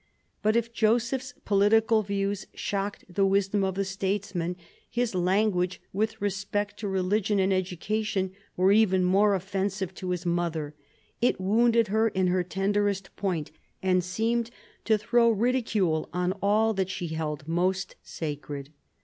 But if Joseph's political views shocked the wisdom of the statesman, his language with respect to religion and education were even more offensive to his mother; it wounded her in her tenderest point, and seemed to throw ridicule on all that she held most sacred.